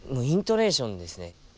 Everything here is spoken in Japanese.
イントネーションですね。